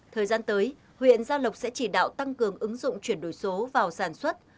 thời gian tới huyện gia lộc sẽ chỉ đạo tăng cường ứng dụng chuyển đổi số vào sản xuất